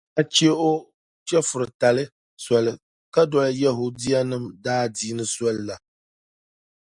ka daa chɛ o chɛfiritali soli ka doli Yɛhudianim’ daadiini soli la.